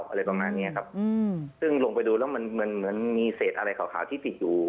อะไรประมาณเนี้ยครับอืมซึ่งลงไปดูแล้วมันเหมือนเหมือนมีเศษอะไรขาวขาวที่ติดอยู่